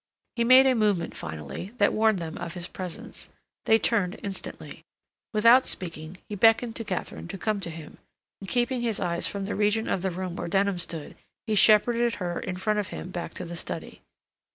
He made a movement finally that warned them of his presence; they turned instantly. Without speaking, he beckoned to Katharine to come to him, and, keeping his eyes from the region of the room where Denham stood, he shepherded her in front of him back to the study.